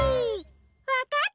わかった？